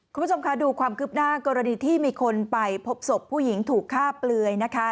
คุณผู้ชมค่ะดูความคืบหน้ากรณีที่มีคนไปพบศพผู้หญิงถูกฆ่าเปลือยนะคะ